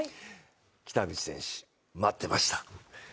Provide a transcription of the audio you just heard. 北口選手、待ってました。